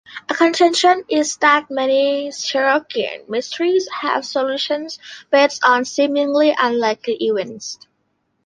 A contention is that many Sherlockian mysteries have solutions based on seemingly unlikely events.